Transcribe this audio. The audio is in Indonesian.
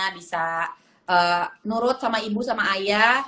bisa nurut sama ibu sama ayah